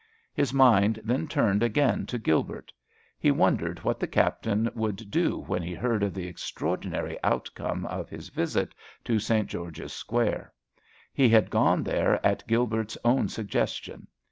His mind then turned again to Gilbert. He wondered what the Captain would do when he heard of the extraordinary outcome of his visit to St. George's Square. He had gone there at Gilbert's own suggestion.